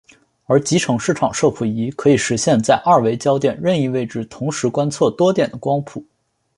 而集成视场摄谱仪可以实现在二维焦面任意位置同时观测多点的光谱。